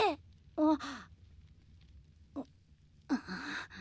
あっ。